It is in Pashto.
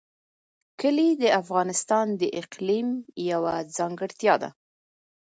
کلي د افغانستان د اقلیم یوه ځانګړتیا ده.